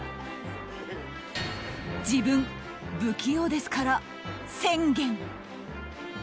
自分不器用ですから宣言。